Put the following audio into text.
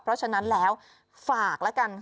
เพราะฉะนั้นแล้วฝากแล้วกัน